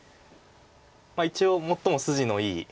一応最も筋のいい。